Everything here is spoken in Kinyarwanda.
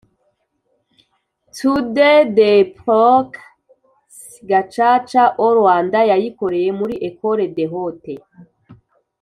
tude des proc s Gacaca au Rwanda Yayikoreye muri Ecole des Hautes